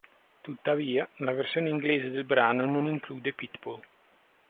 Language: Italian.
Tuttavia, la versione inglese del brano non include Pitbull.